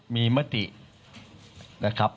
มีมตินะครับ